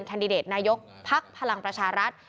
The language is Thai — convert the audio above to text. แคนดิเดตนายกพักพลังประชารัฐ